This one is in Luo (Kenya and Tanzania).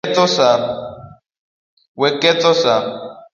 Wek ketho saa.